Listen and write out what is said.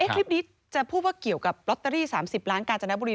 คลิปนี้จะพูดว่าเกี่ยวกับลอตเตอรี่๓๐ล้านกาญจนบุรี